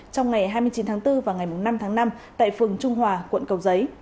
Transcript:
trong ngày hai mươi chín tháng bốn và ngày năm tháng năm tại phường trung hòa quận cầu giấy